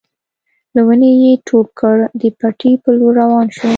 له ونې يې ټوپ کړ د پټي په لور روان شو.